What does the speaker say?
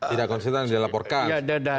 tidak konsisten dengan apa yang dia laporkan